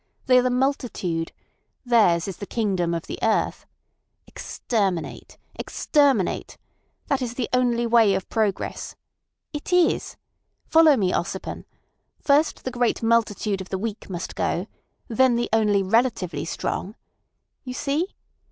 They are the multitude. Theirs is the kingdom of the earth. Exterminate, exterminate! That is the only way of progress. It is! Follow me, Ossipon. First the great multitude of the weak must go, then the only relatively strong. You see?